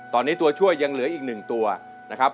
ตอนนี้ตัวช่วยยังเหลืออีก๑ตัวนะครับ